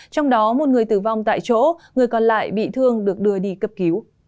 trong đó một người tử vong tại chỗ người còn lại bị thương được đưa đi cấp cứu